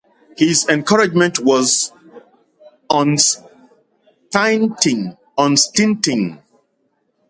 His encouragement was unstinting.